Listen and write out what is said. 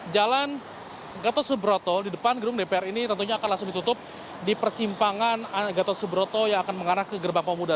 jalan gatot subroto di depan gedung dpr ini tentunya akan langsung ditutup di persimpangan gatot subroto yang akan mengarah ke gerbang pemuda